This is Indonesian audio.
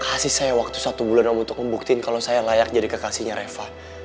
kasih saya waktu satu bulan untuk membuktiin kalau saya layak jadi kekasihnya reva